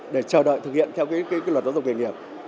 để chờ đợi thực hiện theo luật giáo dục nghề nghiệp